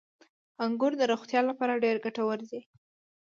• انګور د روغتیا لپاره ډېر ګټور دي.